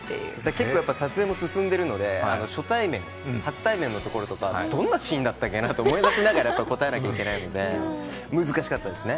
結構、撮影も進んでるので、初対面のシーンとかどんなシーンだったけなと思い出しながら答えなきゃいけないので難しかったですね。